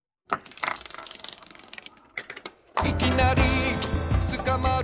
「いきなりつかまる」